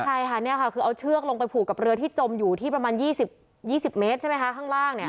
ใช่ค่ะนี่ค่ะคือเอาเชือกลงไปผูกกับเรือที่จมอยู่ที่ประมาณ๒๐เมตรใช่ไหมคะข้างล่าง